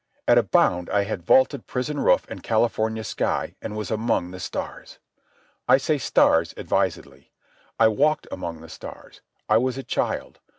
At a bound I had vaulted prison roof and California sky, and was among the stars. I say "stars" advisedly. I walked among the stars. I was a child.